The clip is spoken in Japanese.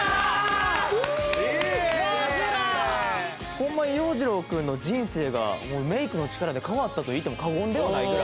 ホンマに洋次郎くんの人生がメイクの力で変わったと言っても過言ではないぐらい。